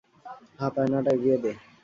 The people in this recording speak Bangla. হাত-আয়নাটা এগিয়ে দে।